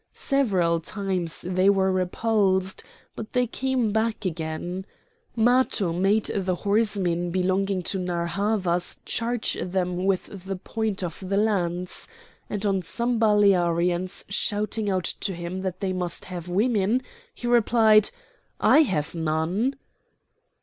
Several times they were repulsed, but they came back again; Matho made the horsemen belonging to Narr' Havas charge them with the point of the lance; and on some Balearians shouting out to him that they must have women, he replied: "I have none!"